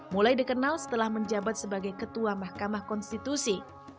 mulai dikenal setelah menjabat sebagai ketua mahkamah konstitusi